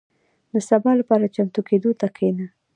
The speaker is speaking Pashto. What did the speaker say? • د سبا لپاره چمتو کېدو ته کښېنه.